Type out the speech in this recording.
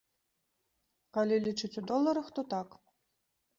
Калі лічыць у доларах, то так.